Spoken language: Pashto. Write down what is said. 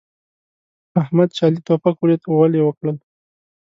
احمد چې علي توپک وليد؛ غول يې وکړل.